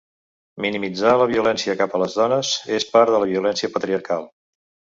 Minimitzar la violència cap a les dones és part de la violència patriarcal.